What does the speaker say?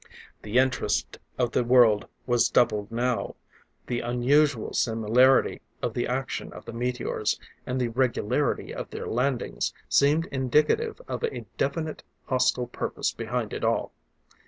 The interest of the world was doubled now. The unusual similarity of the action of the meteors, and the regularity of their landings, seemed indicative of a definite, hostile purpose behind it all.